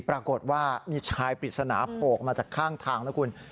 ปรากฏว่ามีชายปริศนาโผล่ออกมาจากข้างทางนะคุณ